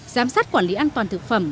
giám sát quản lý an toàn thực phẩm